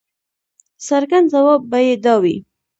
څرګند ځواب به یې دا وي.